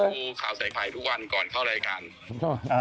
ดูข่าวใส่ไข่ทุกวันก่อนเข้ารายการ